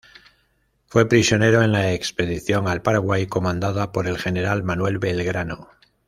Fue prisionero en la expedición al Paraguay comandada por el General Manuel Belgrano.